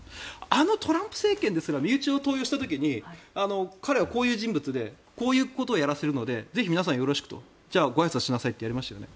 あのトランプ政権ですら身内を登用した時に彼はこういう人物でこういうことをやらせるのでぜひ皆さんよろしくとごあいさつしてくださいと言いましたよね。